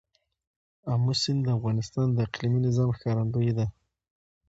آمو سیند د افغانستان د اقلیمي نظام ښکارندوی دی.